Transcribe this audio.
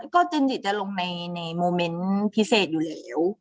ก็จินจิตจะลงในโมเมนต์พิเศษอยู่แล้ว